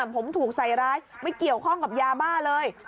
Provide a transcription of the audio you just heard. ผมถูกใส่ร้ายไม่เกี่ยวข้องกับยาบ้าเลย